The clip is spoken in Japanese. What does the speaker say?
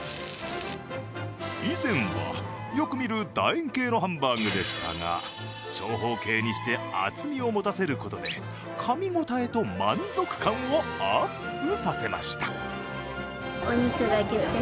以前はよく見るだ円形のハンバーグでしたが長方形にして厚みを持たせることでかみ応えと満足感をアップさせました。